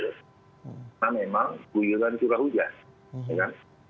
karena memang hujan juga hujan